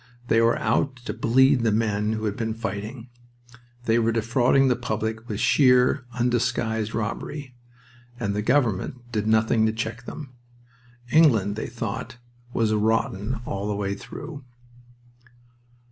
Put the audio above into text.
They were out to bleed the men who had been fighting. They were defrauding the public with sheer, undisguised robbery, and the government did nothing to check them. England, they thought, was rotten all through.